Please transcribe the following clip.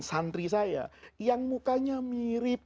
santri saya yang mukanya mirip